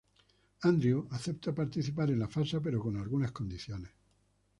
Andrew acepta participar en la farsa pero con algunas condiciones.